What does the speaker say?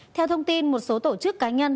theo thông tin một số tổ chức cá nhân